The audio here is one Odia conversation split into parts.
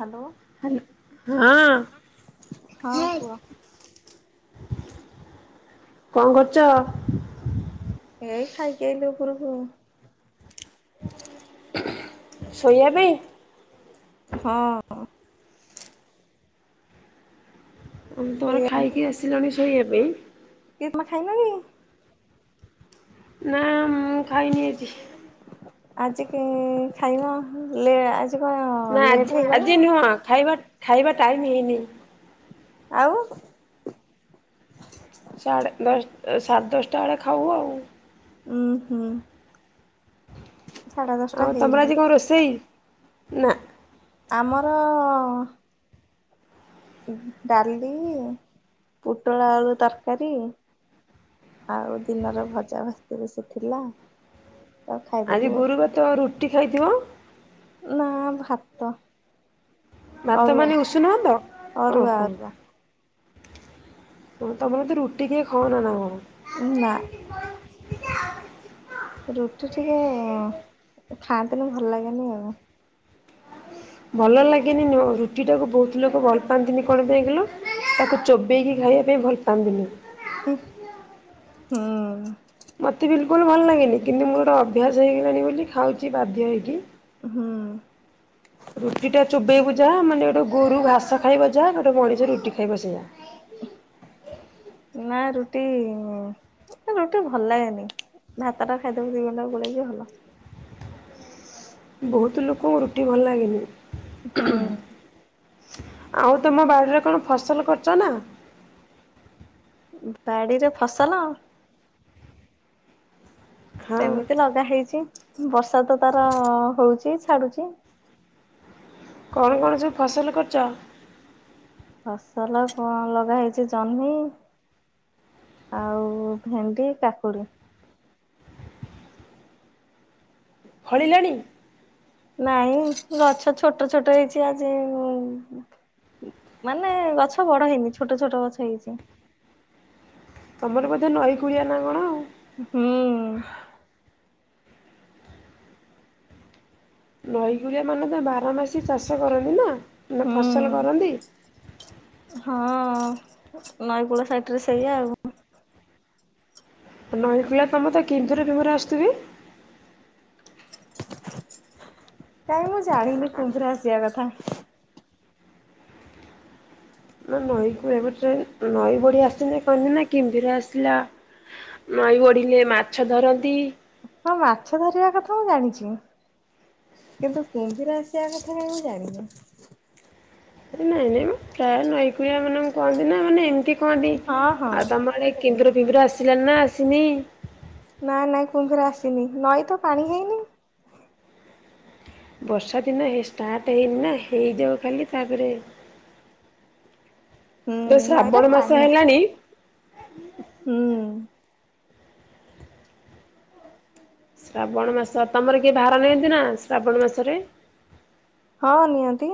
ହାଲୋ। ହଁ। ହଁ କୁହ କଣ କରୁଛ? ଏଇ ଖାଇକି ଆଇଲି ଉପରକୁ। ଶୋଇବା ପାଇଁ [unintelligible] ହଁ। ଉଁ ତମର ସେଇଆ ଖାଇକି ଆସିଲଣି ଶୋଇବା ପାଇଁ? କିଏ କଣ ଖାଇଲନି [unintelligible] ନା ମୁଁ ଖାଇନି ଆଜି। ଆଜିିକି ଖାଇବ ଲେ କି କହ ଅ [unintelligible] ନା ଆଜି ଆଜି ନୁହଁ ଖାଇବା ଖାଇବା ଟାଇମ୍ ହେଇନି। ଆଉ। ସାଢ଼େ ଦଶ ସାଢ଼େ ଦଶଟା ବେଳେ ଖାଉ ଆଉ। ଉୁଁ, ହୁଁ। ସାଢେ ଦଶଟା ଆଉ ତମର ହେଇନି ଆଜି କଣ ରୋଷେଇ ନା ଆମର ଅ ଉ, ହୁଁ, ଡାଲି, ପୋଟଳ ଆଳୁ ତରକାରୀ ଆଉ ଦିନର ଭଜା ଭାଜିଥିଲି ସେ ଥିଲା ଆଉ ଆଜି ଖାଇଦେଲୁ ଆଉ ଗୁରୁବାର ତମେ ରୁଟି ଖାଇଥିବ? ନା ଭାତ। ଭାତ ଅରୁଆ ମାନେ ଉଷୁନା ଭାତ ଅରୁଆ ଓହୋ ଅରୁଆ ତମେ ତ ବହୁତ୍ ରୁଟି କିଏ ଖାଉନ ନା ନା କଣ? ନା ରୁଟି ଟିକେ ଖାଆନ୍ତିନି ଭଲ ଲାଗେନି ଆଉ। ଭଲ ଲାଗେନି ନୁହଁ ରୁଟିଟାକୁ ବହୁତ ଲୋକ ଭଲ ପାଆନ୍ତିନି କଣ ପାଇଁ କହିଲ? ତାକୁ ଚୋବେଇକି ଖାଇବା ପାଇଁ ଭଲ ପାଆନ୍ତିନି। ହୁଁ, ହିଁ। ମତେ ବିଲକୁଲ୍ ଭଲ ଲାଗେନି କିନ୍ତୁ ମୋର ଗୋଟେ ଅଭ୍ୟାସ ହେଇଗଲାଣି ବୋଲି ଖାଉଛି ବାଧ୍ୟ ହୋଇକି। ହୁଁ। ରୁଟି ଟା ଚୋବେଇବୁ ଯାହା ମାନେ ଗୋଟେ ଗୋରୁ ଘାସ ଖାଇବ ଯାହା ଗୋଟେ ମଣିଷ ରୁଟି ଖାଇବ ସେଇଆ ନା ରୁଟି ମତେ ରୁଟି ଭଲ ଲାଗେନି ଭାତ ଟା ଖାଇଦବୁ ଦି ଗୁଣ୍ଡା ଗୋଳେଇକି ଭଲ। ବହୁତୁ ଲୋକଙ୍କୁ ରୁଟି ଭଲ ଲାଗେନି। ହୁଁ ଆଉ ତମ ବାଡ଼ିରେ କଣ ଫସଲ କରିଛ ନା ପାଡ଼ିରେ ଫସଲ? ହଁ ସେମିତି ଲଗା ହେଇଛି ବର୍ଷା ତ ତାର ହଉଛି, ଛାଡୁଛି କଣ କଣ ସବୁ ଫସଲ କରିଛ? ଫସଲ କଣ ଲଗା ହେଇଛି, ଜହ୍ନି ଆଉ ଭେଣ୍ଡି, କାକୁଡ଼ି ଫଳିଲାଣି? ନାଇଁ ଗଛ ଛୋଟ ଛୋଟ ହେଇଛି ଆଜି ଉଁ ମାନେ ଗଛ ବଡ ହେଇନି ଛୋଟ ଛୋଟ ଗଛ ହେଇଛି। ତମର ବୋଧେ ନଈକୁଳିଆ ନା କଣ ଆଉ? ହୁଁ। ନଈ କୁଳିଆ ମାନେ ତ ବାରମାସୀ ଚାଷ କରନ୍ତି ନା ମାନେ ହୁଁ ଫସଲ କରନ୍ତି। ହଁ, ନଈକୂଳ ସାଇଟରେ ସେଇଆ ଆଉ। ନଈକୂଳିଆ ତମେ ତ କଂଭିର ଫିମ୍ବର ଆସୁଥିବେ? କାଇଁ ମୁଁ ଜାଣିନି କୁମ୍ଭୀର ଆସିବା କଥା। ନା ନଈକୁ ନଈ କୁଳୀୟା ପେଟ ନଈ ବଢ଼ି ଆସିନି କହନ୍ତି ନା କୁମ୍ଭିର ଆସିଲା। ନଈ ବଢିଲେ ମାଛ ଧରନ୍ତି। ହଁ ମାଛ ଧରିବା କଥା ମୁଁ ଜାଣିଛି। କିନ୍ତୁ କୁମ୍ଭିର ଆସିବା କଥା କାଇଁ ମୁଁ ଜାଣିନି। ନାଇଁ ନାଇଁ ମ ପ୍ରାୟ ନଈକଳିଆ ମାନେ କହନ୍ତି ନା ମାନେ ଏମିତି କୁହନ୍ତି ହଁ ହଁ ଆଉ ତମ ଆଡ଼େ [unintelligible] ଆସିଲାଣି ନା ଆସିନି। ନାଇଁ ନାଇଁ କୁମ୍ଭୀର ଆସିନି ନଈ ତ ପାଣି ହେଇନି। ବର୍ଷା ଦିନ ଷ୍ଟାର୍ଟ ହେଇନି ନା ହେଇଯାଉ ଖାଲି ତାପରେ ହୁଁ ଏବେ ନା ଏଟା ଶ୍ରାବଣ ମାସ ପାଣି ଆସିନି ହେଲାଣି ହୁଁ। ଶ୍ରାବଣ ମାସ ତମର କିଏ ଭାର ନିଅନ୍ତି ନା ଶ୍ରାବଣ ମାସରେ। ହଁ ନିଅନ୍ତି।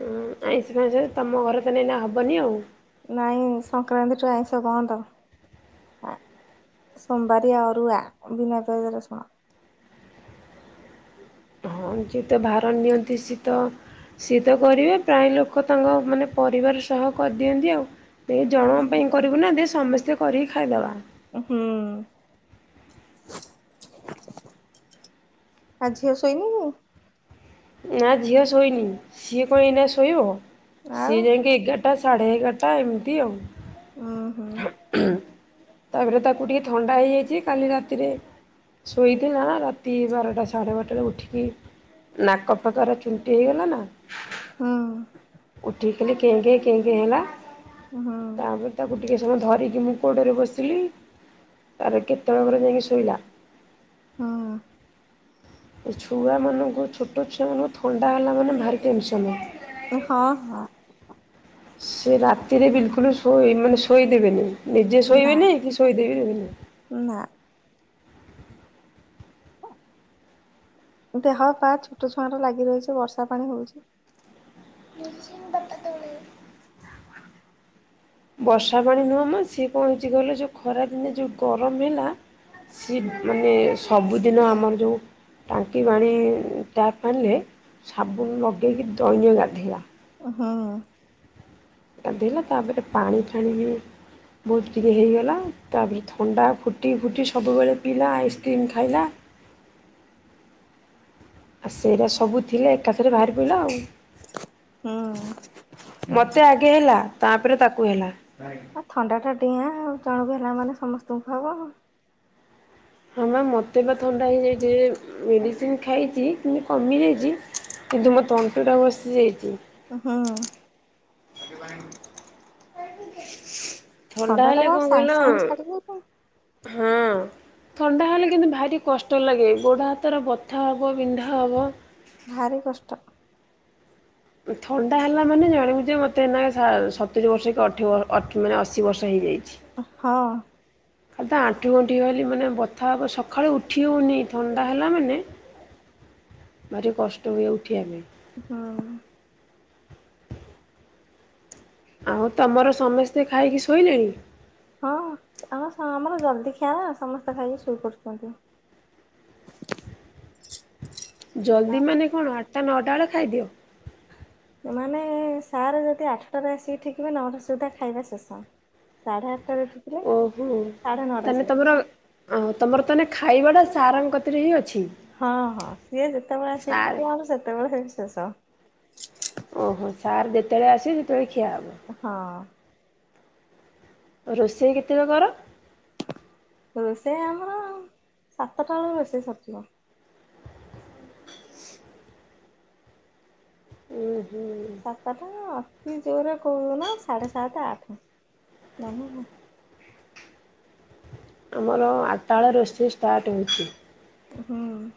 ଉଁ ଆଇଁଷ ଫାଇଁସ ତମ ଘରେ ତ ଏଇନା ହେବନି ଆଉ। ନାଇଁ ସଂକ୍ରାନ୍ତିଠୁ ଆଇଁଷ ବନ୍ଦ। ସୋମବାରୀଆ ଆରୁଆ ବିନା ପିଆଜ ରସୁଣ। ହଁ ଯିଏତ ଭାର ନିଅନ୍ତି ସିଏ ତ ସିଏ ତ କରିବେ ପ୍ରାୟ ଲୋକ ତାଙ୍କ ମାନେ ପରିବାର ସହ କରିଦିଅନ୍ତି ଆଉ। ଏ ଜଣ ପାଇଁ କରିବୁ ନା ଦେ ସମସ୍ତେ କରିକି ଖାଇଦବା। ହୁଁ। ଆ ଝିଅ ଶୋଇନି କି। ନା ଝିଅ ଶୋଇନି ସିଏ କଣ ଏଇନା ଶୋଇବ। ଆଉ ସିଏ ଯାଇକି ଏଗାରଟା ସାଢ଼େ ଏଗାରଟା ଏମିତି ଆଉ। ଉଁ ହୁଁ। ତାପରେ ତାକୁ ଟିକେ ଥଣ୍ଡା ହେଇଯାଇଛି କାଲି ରାତିରେ। ଶୋଇଥିଲା ନା ରାତି ବାରଟା ସାଢ଼େ ବାରଟାରେ ଉଠିକି ନା କଫ ତାର ଚୁଣ୍ଟି ହେଇଗଲା ନା ହୁଁ ଉଠିକି ଖାଲି କେଁ କେଁ କେଁ କେଁ ହେଲା ହୁଁ ତାପରେ ତାକୁ ଟିକେ ସମୟ ଧରିକି ମୁଁ କୋଡରେ ବସିଲି ତାର କେତେବେ ପରେ ଯାଇକି ଶୋଇଲା। ହଁ। ଏ ଛୁଆମାନଙ୍କୁ ଛୋଟ ଛୁଆମାନଙ୍କୁ ଥଣ୍ଡା ହେଲା ମାନେ ଭାରି ଟେନସନ୍। ହଁ -ହଁ। ସେ ରାତିରେ ବିଲକୁଲ ଶୋଇ ମାନେ ଶୋଇଦେବେନି ନିଜେ ନା ଶୋଇବେନି କି ଶୋଇଦେବେନି। ନା। ଦେହ ପା ଛୋଟ ଛୁଆଁ ର ଲାଗି ରହିଛି ବର୍ଷା ପାଣି ହଉଛି। [unintelligible] ବର୍ଷା ପାଣି ନୁହେଁ ମ ସିଏ କଣ ହେଉଛି କହିଲ ଯୋଉ ଖରା ଦିନେ ଯୋଉ ଗରମ ହେଲା। ସି ମାନେ ସବୁଦିନ ଆମର ଯୋଉ ଟାଙ୍କି ପାଣି ଟ୍ୟାପ ପାଣିରେ ସାବୁନ ଲଗେଇକି ଦଇନ ଗାଧୋଇଲା। ଓ ହଁ। ଟା ଦେଲେ ତାପରେ ପାଣି ଫାଣି ହ ବହୁତ ଟିକେ ହେଇଗଲା ତାପରେ ଥଣ୍ଡା ଫୁଟି ଫୁଟି ସବୁବେଳେ ପିଲା ଆଇସ୍କ୍ରିମ୍ ଖାଇଲା। ଆଉ ସେଇଟା ସବୁ ଥିଲା ଏକାଥରେ ବାହାରି ପଡ଼ିଲା ଆଉ। ହୁଁ। ମତେ ଆଗେ ହେଲା ତାପରେ ତାକୁ ହେଲା। ଆ ଥଣ୍ଡାଟା ଡିଆଁ ଆଉ ଜଣକୁ ହେଲା ମାନେ ସମସ୍ତଙ୍କୁ ହେବ। ହଁ ମ୍ୟାମ୍ ମୋତେ ବା ଥଣ୍ଡା ହେଇଯାଇଛି, ଏ ମେଡ଼ିସିନ ଖାଇଛି କିନ୍ତୁ କମିଯାଇଛି। କିନ୍ତୁ ମୋ ତଣ୍ଟି ଟା ବସିଯାଇଛି। ହଁ। [inaudible] ଥଣ୍ଡା ଟା ହେଲେ କଣ ସାଙ୍ଗେ କହିଲ ସାଙ୍ଗେ ଛାଡିବ କି ହଁ। ଥଣ୍ଡା ହେଲେ କିନ୍ତୁ ଭାରି କଷ୍ଟ ଲାଗେ ଗୋଡ଼ ହାତର ବଥା ହେବ ବିନ୍ଧା ହେବ। ଭାରି କଷ୍ଟ। ଥଣ୍ଡା ହେଲା ମାନେ ଜାଣିବୁ ଯେ ମୋତେ ନା ସତୁରି ବର୍ଷ କି ଅଠେଇ ମାନେ ଅଶୀ ବର୍ଷ ହେଇଯାଇଛି। ଅ ହଁ ଖାଲି ତା ଆଣ୍ଠୁ ଗଣ୍ଠି ଖାଲି ମାନେ ବଥା ହବ ସଖାଳୁ ଉଠି ହଉନି ଥଣ୍ଡା ହେଲା ମାନେ ଭାରି କଷ୍ଟ ହୁଏ ଉଠିଆ ପାଇଁ। ହଁ। ଆଉ ତମର ସମିସ୍ତେ ଖାଇକି ଶୋଇଲେଣି? ହଁ ଆମ ସମ ଆମର ଜଲଦି ଖିଆନା ସମସ୍ତେ ଖାଇକି ସୋଇ ପଡୁଚନ୍ତି। ଜଲ୍ଦି ଆମ ମାନେ କଣ ଆଟା ନଅଟା ବେଳେ ଖାଇଦିଅ? ମାନେ ସାରେ ଯଦି ଆଠଟାରେ ଆସିକି ଠିକିବେ ନଅଟା ସୁଦ୍ଧା ଖାଇବା ଶେଷ। ସାଢ଼େ ଆଠଟାରେ ଠି ଓହୋ ତାନେ ତମର ଅ ତମର ତାନେ ଖାଇବାଟା ସାର୍ ଙ୍କ କତିରେ ହିଁ ଅଛି। ହଁ ହଁ ସିଏ ଯେତେବଳେ ଆସି ସାର୍ ଏଠିକିବେ ସେତେବଳେ ସେଇଠି ଶେଷ। ଓହୋ ସାର୍ ଯେତେବେଳେ ଆସିବେ ସେତେବେଳେ ଖିଆ ହବ। ହଁଅ ରୋଷେଇ କେତେବେଳେ କର? ରୋଷେଇ ଆମର ସାତଟା ବେଳୁ ରୋଷେଇ ସରିଯିବ। ଉଁ ହୁଁ। ସାତଟା ଅତି ଜୋରରେ କୋଉଦିନ ସାଢ଼େ ସାତେ ଆଠେ ନ ଆମର ଆଟଟା ବେଳେ ରୋଷେଇ ଷ୍ଟାର୍ଟ ହଉଛି। ହୁଁଉ।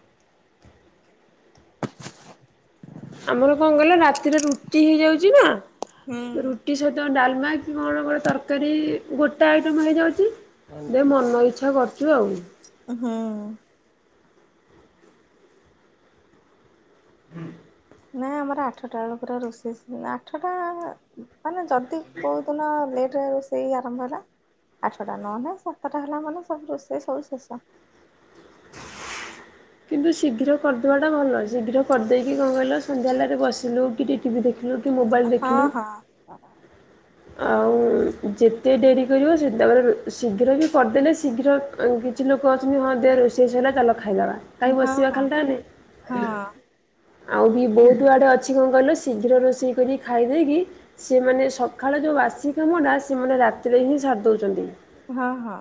ଆମର କଣ କଇଲ ରାତିରେ ରୁଟି ହେଇଯାଉଛି ନା ରୁଟି ସହିତ ଡାଲମା କଣ କଣ ତରକାରୀ ଗୋଟେ ଆଇଟମ ହେଇଯାଉଛି ଦେ ମନ ଇଚ୍ଛା କରୁଛୁ ଆଉ। ହଁଅ। ହୁଁ [inaudible] ନାଇଁ ଆମର ଆଠଟା ବେଳୁ ପୁରା ରୋଷେଇ ସ ଆଠଟା ମାନେ ଯଦି କୋଉ ଦିନ ଲେଟରେ ହବ ରୋ ଷେଇ ଆରମ୍ଭ ହେଲା ଆଠଟା ନହେଲେ ନାଇ ସାତଟା ହେଲା ମାନେ ସବୁ ରୋଷେଇ ସବୁ ଶେଷ। କିନ୍ତୁ ଶୀଘ୍ର କରିଦବାଟା ଭଲ ଶୀଘ୍ର କରିଦେଇକି କଣ କହିଲ ସନ୍ଧ୍ୟାହେଲାରେ ବସିଲୁ କି ଟିକେ ଟିଭି ଦେ ଖିଲୁ କି ମୋବାଇଲ ହଁ ଦେଖିଲୁ। ହଁ ଆଉ ଯେତେ ଡେରି କରିବ ସେତବଳେ ଶୀଘ୍ର ବି କରିଦେଲେ ଶୀଘ୍ର କିଛି ଲୋକ ଅଛନ୍ତି ହଁ ଦେ ରୋଷେଇ ସଇଲା ଚାଲ ଖାଇଦବା। କାଇଁ ହଁ ବସିବା ହଁ ଖାଲି ଟାରେ ହଁ ଆଉ ବି ବହୁତ ଆଡ଼େ ଅଛି କଣ କହିଲ ଶୀଘ୍ର ରୋଷେଇ କରି ଖାଇଦେଇକି ସିଏ ମାନେ ସ ଖାଳେ ଯୋଉ ବାସି କାମଟା ସେମାନେ ରାତିରେ ହିଁ ସାରି ଦଉଚନ୍ତି ହଁ ହଁ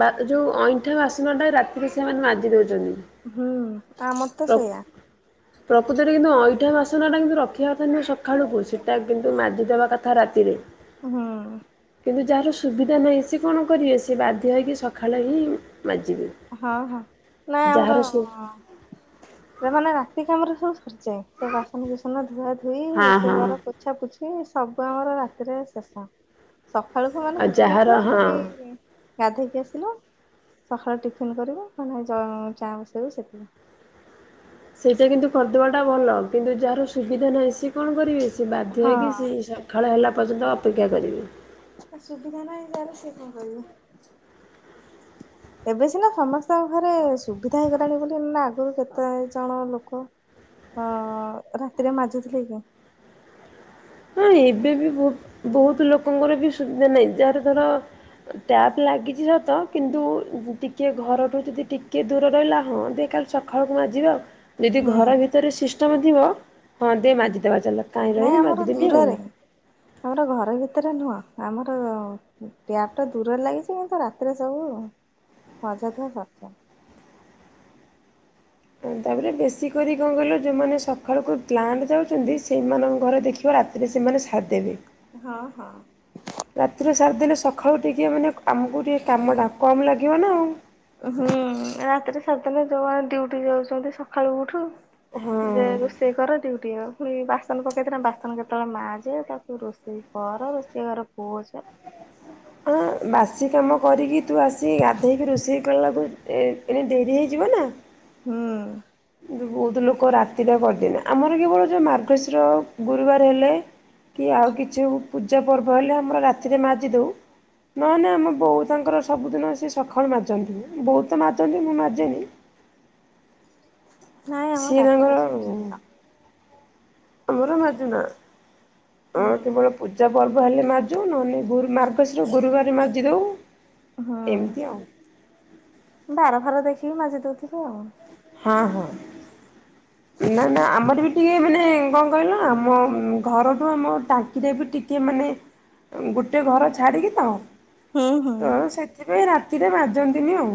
ବାତି ଯୋଉ ଅଇଁଠା ବାସନ ଟା ରାତିରେ ସେମାନେ ମାଜି ଦଉଛନ୍ତି। ହୁଁ ଆମର ତ ସେଇଆ। ପ୍ରକୃତରେ କିନ୍ତୁ ଅଇଁଠା ବାସନ ଟା କିନ୍ତୁ ରଖିବା କଥା ନୁହେଁ ସଖାଳୁକୁ ସେଟା କିନ୍ତୁ ମାଜିଦବା କ ତା ରାତିରେ। ହୁଁ। କିନ୍ତୁ ଯାହାର ସୁବିଧା ନାହିଁ ସେ କଣ କରିବେ ସେ ବାଧ୍ୟ ହେଇକି ସଖାଳେ ହିଁ ମାଜିବେ। ହଁ ହଁ, ନାଇ ଆମର। ଯାହାର ସୁ ସେ ମାନେ ରାତି କାମରେ ସବୁ ସରିଯାଏ। ସବୁ ବାସନ କୁସନ ଧୁଆ ଧୁଇ ହଁ ରୋଷେଇ ହଁ ଘର ପୋ। ପୋଛା ପୁଛି ସବୁ ଆମର ରାତିରେ ଶେଷ। ସଖାଳୁକୁ ମାନେ ଆଉ କିଛି ଯାହାର ନଥିଲା। ହଁ ଖାଲି ଗାଧେଇକି ଆସିଲୁ ସଖାଳ ଟି। ଫିନ୍ କରିବୁ। ନ ହେନେ ଚ ଚା ବସେଇବୁ ସେତିକି। ସେଇଟା କିନ୍ତୁ କରିଦବାଟା ଭଲ। କିନ୍ତୁ ଯାହାର ସୁବିଧା ନାହିଁ ସିଏ କଣ କରିବେ ସେ ବାଧ୍ୟ ହେଇକି ସେଇ ହଁ ସ। ସଖାଳ ହେଲା ପର୍ଯ୍ୟନ୍ତ ଅପେକ୍ଷା କରିବେ। ସୁବିଧା ନାହିଁ ଜାର ସେ କଣ କରିବ। ଏବେ ସିନା ସମସ୍ତଙ୍କ ଘରେ ସୁବିଧା ହେଇଗଲାଣି ବୋଲି ନା ଆଗୁରୁ କେତେ ଜଣ ଲୋକ। ହଁ, ରାତିରେ ମାଜୁଥିଲେ କି? ହଁ, ଏବେ ବି ବହୁ ବହୁତ ଲୋକଙ୍କର ବି ସୁବିଧା ନାହିଁ। ଯାହାର ଧର। ଟ୍ୟାପ ଲାଗିଚି ସତ, କିନ୍ତୁ ଟିକେ ଘରଠୁ ଯଦି ଟିକେ ଦୂର ରହିଲା ହଁ ଦେ କା। ସଖାଳୁକୁ ମାଜିବା ଆଉ, ଯଦି ହୁଁ ଘର ଭିତରେ ସିଷ୍ଟମ୍ ଥିବ ଦେ ମାଜିଦବା ଚାଲ। କାହିଁ ନାଇଁ ରହିବି ଆମର ମାଜିଦେବି ଆଉ। ଦୂରରେ। ଆମର ଘର ଭିତରେ ନୁହଁ, ଆମର ଟ୍ୟାପ ଟା ଦୂରରେ ଲାଗିଚି କିନ୍ତୁ ରାତି। ରାତିରେ ସବୁ ମଜା ଧୁଆ ସରିଯାଏ। ତାପରେ ବେଶୀ କରି କଣ କହିଲ? ଯେଉଁମାନେ ସକାଳୁକୁ ଗ୍ଲାଣ୍ଟ ଯାଉଚନ୍ତି ସେଇମାନଙ୍କ ଘରେ ଦେଖିବ ରାତି। ରାତିରେ ସେମାନେ ସାରି ଦେବେ। ହଁ ହଁ। ରାତିରେ ସାରିଦେଲେ ସଖାଳୁ ଟିକିଏ ମାନେ ଆମୁକୁ ଟିକେ କାମଟା କମ୍ ଲାଗିବ ନା ଆଉ। ହୁଁ, ରାତିରେ ସାରିଦେଲେ ଯୋଉମାନେ ଡିଉଟି କି ଯାଉଚନ୍ତି ସଖାଳୁ ଉଠୁ। ଦେ ହଁ। ରୋଷ। ଷେଇ କର ଡି୍ୟୁଟି ଆଉ, ପୁଣି ବାସନ ପକାଇଥିଲେ ବାସନ କେତବଳେ ମାଯେ, ତାକୁ ରୋଷେଇ। କର, ରୋଷେଇ ଘର ପୋଛ। ହଁ, ବାସି କାମ କରିକି ତୁ ଆସିକି ଗାଧେଇକି ରୋଷେଇ କଲାବେଳୁକୁ ଏଣେ ଡେରି ହେଇଯିବ ନା। ହୁଁ। ବହୁତୁ ଲୋକ ରାତିରେ କରିଦେଲେ ଆମର କେବଳ ଯୋଉ ମାର୍ଗଶୀର ଗୁରୁବାର ହେଲେ। କି ଆଉ କିଛି ପୂଜା ପର୍ବ ହେଲେ ଆମର ରାତିରେ ମାଜି ଦଉ। ନହନେ ଆମ ବୋଉ ତାଙ୍କର ସବୁଦିନ ସେ ସଖାଳୁ ମାଜନ୍ତି, ବୋଉ ତ ମାଜନ୍ତି ମୁଁ ମାଜେନି। ନାଇଁ ଆମ ସିଏ ରାତିରେ ତାଙ୍କର। ସବୁ ଶେଷ। ଆମର ମାଜୁନା ଆମାର ହୁଁ। କେବଳ। ପୂଜା ପର୍ବ ହେଲେ ମାଜୁ ନହନେ ଗୁରୁ ମାର୍ଗଶୀର ଗୁରୁବାର ରେ ମାଜିଦଉ। ହୁଁ ଏମିତି ଆଉ। ବାର ଫାର ଦେଖିକି ମାଜି ଦଉଥିବେ ଆଉ। ହଁ ହଁ। ନା ନା ଆମର ବି ଟିକେ ମାନେ କଣ। କହିଲ ଆମ ଘରଠୁ ଆମ ଟାଙ୍କିଯାଏ ବି ଟିକେ ମାନେ। ଗୋଟେ ଘର ଛାଡ଼ିକି ତ, ହୁଁ ହୁଁ। ତ ସେଥିପାଇଁ ରାତିରେ ବାଜନ୍ତିନି ଆଉ।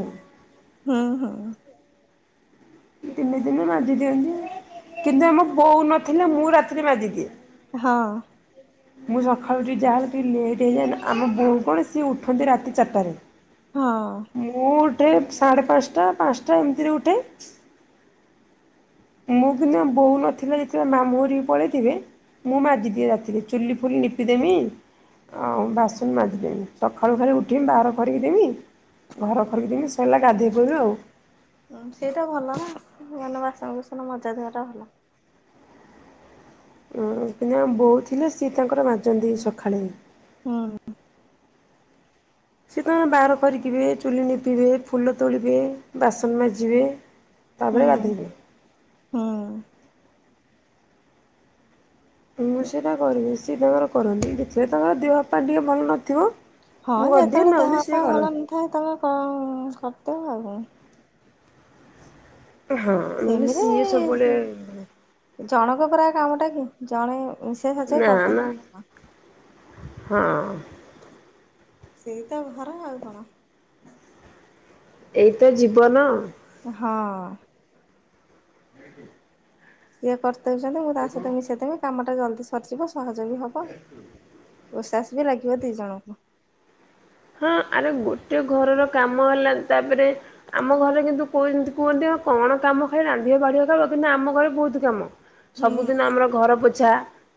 ହୁଁ ହୁଁ। ଦିନେ ଦିନେ ମାଜି ଦିଅନ୍ତି ଆଉ, କିନ୍ତୁ ଆମ ବୋଉ ନଥିଲେ ମୁଁ ରାତିରେ ମାଜିଦିଏ। ହଁ। ମୁଁ ସଖାଳୁ ଉଠିବି ଯାହାହେଲେ ଟିକେ ଲେଟ୍ ହେଇଯାଏ ନା, ଆମ ବୋଉ କଣ ସିଏ ଉଠନ୍ତି ରାତି ଚାରିଟାରେ। ହଁ। ମୁଁ ଉଠେ ସାଢ଼େ ପାଞ୍ଚଟା ପାଞ୍ଚଟା ଏମିତିରେ ଉଠେ। ମୁଁ କିନ୍ତୁ ଆମ ବୋଉ ନଥିଲା ଯେତେବେଳେ ମାମୁଁ ଘର କି ପଳେଇଥିବେ ମୁଁ ମାଜିଦିଏ ରାତିରେ ଚୁଲି ଫୁଲି ନିପିଦେମି। ଆଉ ବାସନ ମାଜିଦେମି। ସକାଳୁ ଖାଲି ଉଠି ବାହାର କରିକି ଦେଵି। ଘର ଖରିଦେମି ସଇଲା ଗାଧେଇ ପକେଇବି ଆଉ। ଅଂ ସେଇଟା ଭଲ ନା। [unintelligible] ବାସନକୁସନ ମଜା ଧୁଆ ଭଲ। ଉଁ ଓପିନିଅର ବୋଉ ଥିଲେ। ସିଏ ତାଙ୍କର ମାଜନ୍ତି ସକାଳେ ହୁଁ। ସିଏ ତଙ୍କର ବାହାର କରିଥିବେ ଚୁଲି ନିପିବେ, ଫୁଲ ତୋଳିବେ, ବାସନ ମାଜିବେ ହୁଁ ତାପରେ ଗାଧେଇବେ। ହୁଁ। ମୁଁ ସେଇଟା କରିବି। ସିଏ ତାଙ୍କର କରନ୍ତି। ଦେଖିଲେ ତାଙ୍କର ଦେହପା ଟିକେ ଭଲ ନଥିବ। ହଁ ମୁଁ କରିଦିଏ ଯେତେବେଳେ ଦେହ ନହେଲେ [inaudible] ସିଏ ପା ଭଲ କରନ୍ତି ନଥାଏ। ତମେ କରିଦେବ ଆଉ। ହଁ ନହେଲେ ସେମିରେ ସିଏ ସି ସବୁବେଳେ ଜଣଙ୍କ ଦ୍ଵାରା କାମଟାକୁ ଜଣେ [unintelligible] ନା ଶେଷଜାଇ ନା କରିଥାନ୍ତା ଭଲ। ହଁ। [inaudible] ସେଇତ ଘର ଆଉ କଣ। ଏଇତ ଜୀବନ। ମୁଁ ହଁ। ସିଏ କରି ଦେଉଛନ୍ତି। ମୁଁ ତାଙ୍କ ସହିତ ମିଶେଇଦେବି। କାମଟା ଜଲ୍ଦି ସରିଯିବ ସହଜ ବି ହବ। ଉଶ୍ୱାସବି ଲାଗିବ ଦି ଜଣଙ୍କୁ। ହଁ ଆରେ ଗୋଟେ ଘରର କାମ ହେଲା ତାପରେ ଆମ ଘରେ କିନ୍ତୁ। ପୁଅ ଏ ମିନ୍ତି କୁହନ୍ତି କଣ କାମ ଖାଲି ରାନ୍ଧିବା ବାଢିବାତ ନା ଆମ ଘରେ ବହୁତୁ କାମ। ହୁଁ। ସବୁଦିନ ଆମର ଘର ପୋଛା।